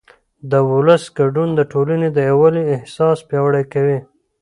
د ولس ګډون د ټولنې د یووالي احساس پیاوړی کوي